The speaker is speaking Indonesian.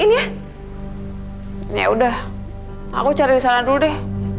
ya udah aku cari disana dulu deh